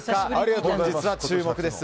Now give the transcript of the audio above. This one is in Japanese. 本日は注目です。